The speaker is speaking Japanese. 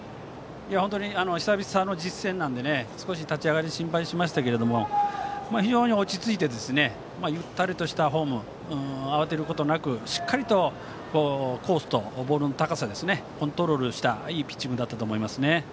本当に久々の実戦なので少し立ち上がりは心配しましたが非常に落ち着いてゆったりとしたフォームで慌てることなくしっかりコースとボールの高さをコントロールしたいいピッチングだったと思います。